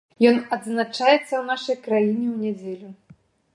Ён адзначаецца ў нашай краіне ў нядзелю.